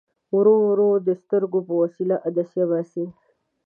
ورو ورو د سترګو په وسیله عدسیه باسي.